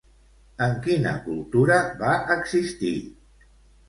En quina cultura va existir?